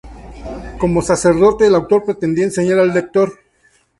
Como sacerdote, el autor pretendía enseñar al lector.